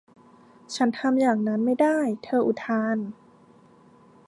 ฉันทำอย่างนั้นไม่ได้เธออุทาน